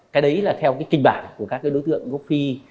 cái đấy là theo cái kinh bản của các đối tượng gốc phi